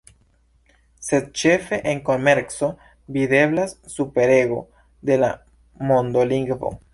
Sed ĉefe en komerco videblas superrego de la mondolingvo.